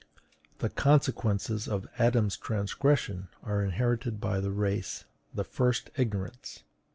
"The consequences of Adam's transgression are inherited by the race; the first is ignorance."